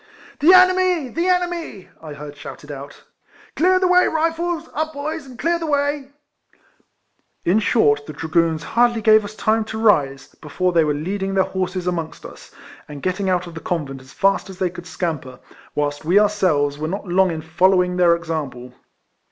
" The enemy ! The enemy !" I heard shouted out. ." Clear the way, Rifles ! Up boys, and clear the way !" In short, the Dragoons hardly gave us time to rise, before they were leading their horses amongst us, and getting out of the convent as fast as they could scamper, wliilst we ourselves were not long in following their example.